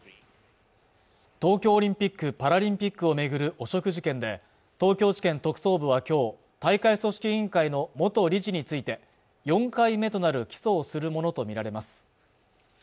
東京オリンピックパラリンピックを巡る汚職事件で東京地検特捜部はきょう大会組織委員会の元理事について４回目となる起訴をするものと見られます